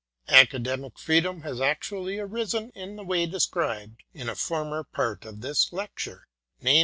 Academic Freedom has actually arisen in the way described in a former part of this lecture, i. e.